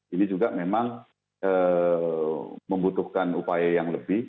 ini juga memang membutuhkan upaya yang lebih